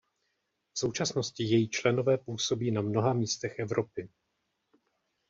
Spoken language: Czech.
V současnosti její členové působí na mnoha místech Evropy.